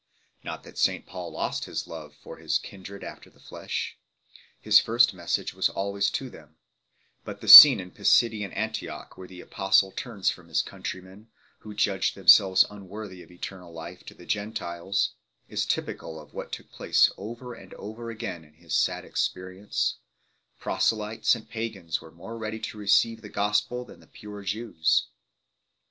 Not that St Paul lost his love for his kindred after the flesh; his first message was always to them ; but the scene in Pisidian Antioch, where the Apostle turns from his countrymen, who "judged them selves unworthy of eternal life," to the Gentiles, is typical of what took place over and over again in his sad experience ; proselytes and pagans were more ready to receive the gospel than the pure Jews.